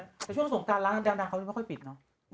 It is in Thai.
แต่ช่วงสงการร้านดังเขายังไม่ค่อยปิดเนอะ